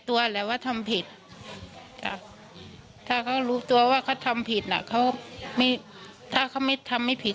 ถ้าเขารู้ตัวว่าเขาทำผิดเขาเขาไม่ถ้าเขาไม่ทำผิด